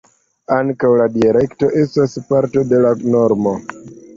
Ankaŭ la dialektoj estas parto de la normo.